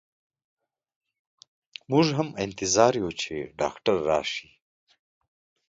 مو ږ هم انتظار يو چي ډاکټر راشئ.